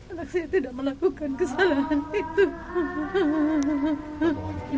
anak saya tidak melakukan kesalahan itu